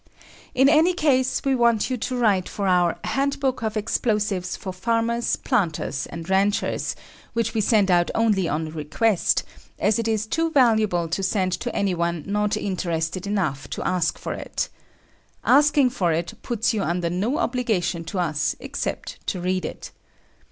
In any case we want you to write for our "Handbook of Explosives for Farmers, Planters and Ranchers," which we send out only on request, as it is too valuable to send to anyone not interested enough to ask for it. Asking for it puts you under no obligation to us except to read it.